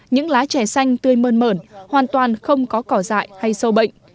những lá chè xanh tươi mơn mởn hoàn toàn không có cỏ dại hay sâu bệnh